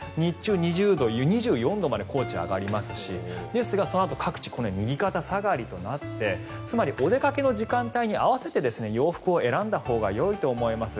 日中、２０度、２４度まで高知は上がりますしですが、そのあと各地このように右肩下がりとなってつまりお出かけの時間帯に合わせて洋服を選んだほうがいいと思います。